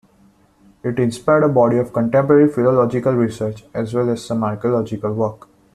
It inspired a body of contemporary philological research, as well as some archaeological work.